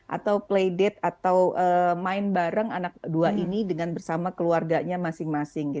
atau playdate atau main bareng anak dua ini dengan bersama keluarganya masing masing